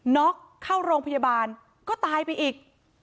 ็อกเข้าโรงพยาบาลก็ตายไปอีก